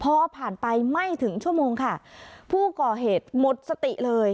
พอผ่านไปไม่ถึงชั่วโมงค่ะผู้ก่อเหตุหมดสติเลย